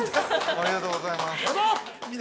◆ありがとうございます。